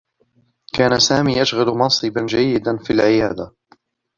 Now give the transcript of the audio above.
كان سامي يشغل منصبا جيّدا في العيادة.